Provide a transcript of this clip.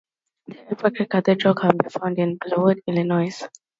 The eparchy's cathedral can be found in Bellwood, Illinois.